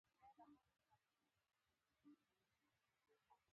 زمونږ ژبه پښتو لا د پوهنیزو لیکنو د پیل په پړاو کې ده